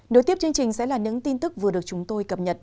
đối tiếp chương trình sẽ là những tin tức vừa được chúng tôi cập nhật